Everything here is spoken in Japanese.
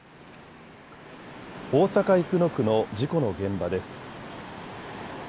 大阪生野区の事故の現場です。